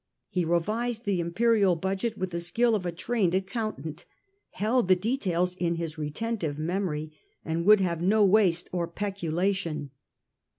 He revised the imperial budget with the skill of a trained accountant, held the details in his retentive memory, and would have no waste or peculation.